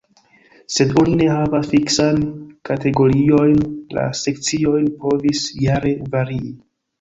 Sed oni ne havas fiksan kategoriojn; la sekcioj povis jare varii.